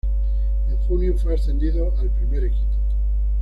En junio fue ascendido al primer equipo.